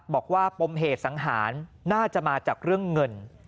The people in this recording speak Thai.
ปมเหตุสังหารน่าจะมาจากเรื่องเงิน